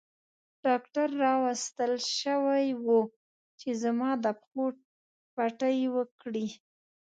ډاکټر راوستل شوی وو چې زما د پښو پټۍ وکړي.